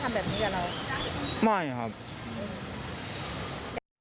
คิดไหมว่าเขาจะทำแบบนี้กับเรา